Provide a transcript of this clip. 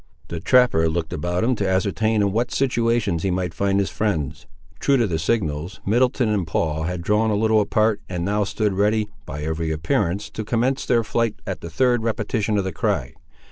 The trapper looked about him to ascertain in what situations he might find his friends. True to the signals, Middleton and Paul had drawn a little apart, and now stood ready, by every appearance, to commence their flight at the third repetition of the cry.